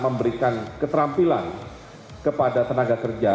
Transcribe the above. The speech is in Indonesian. memberikan keterampilan kepada tenaga kerja